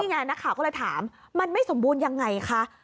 นี่ไงนะค่ะก็เลยถามมันไม่สมบูรณ์ยังไงคะ